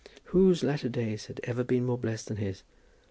Whose latter days had ever been more blessed than his?